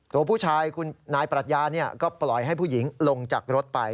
ตัวผู้ชายคุณนายปรัชญาก็ปล่อยให้ผู้หญิงลงจากรถไป